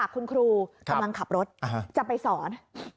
คุณครูกำลังขับรถจะไปสอน